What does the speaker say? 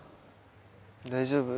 大丈夫？